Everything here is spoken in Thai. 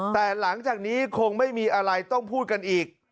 แต่หลังจากนี้คงไม่มีอะไรต้องพูดกันอีก